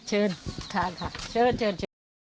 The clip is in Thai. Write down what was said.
เชิญทางค่ะเชิญ